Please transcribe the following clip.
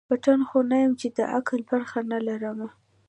پتڼ خو نه یم چي د عقل برخه نه لرمه